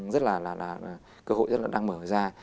rất là cơ hội rất là đang mở ra